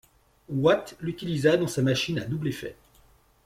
Watt l'utilisa dans sa machine à double effet.